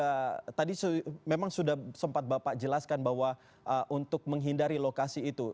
ya tadi memang sudah sempat bapak jelaskan bahwa untuk menghindari lokasi itu